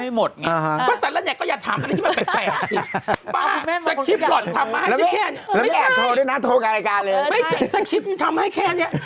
ให้สงสัญลักษณ์ทำให้แค่นี้